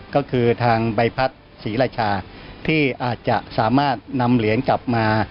ก็คือทางใบพัดศรีราชาที่อาจจะสามารถนำเหรียญกลับมา